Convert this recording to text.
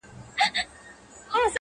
o سپي ویله دا قاضي هوښیار انسان دی,